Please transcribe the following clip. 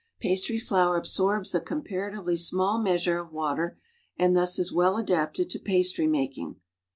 Pastry flour absorl)s a comparatively small measure of water and thus is well adapted to pastry making.